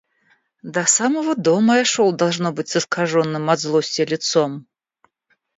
До самого дома я шел, должно быть, с искаженным от злости лицом.